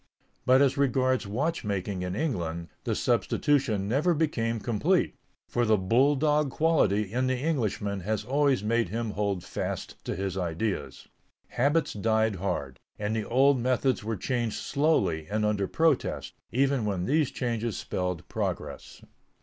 But as regards watchmaking in England, the substitution never became complete, for the bulldog quality in the Englishman has always made him hold fast to his ideas. Habits died hard, and the old methods were changed slowly and under protest, even when these changes spelled progress.